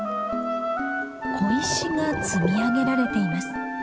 小石が積み上げられています。